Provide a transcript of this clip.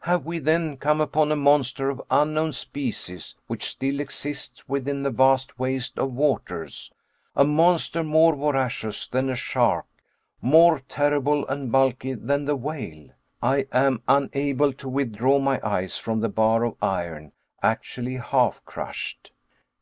Have we then, come upon a monster of unknown species, which still exists within the vast waste of waters a monster more voracious than a shark, more terrible and bulky than the whale? I am unable to withdraw my eyes from the bar of iron, actually half crushed!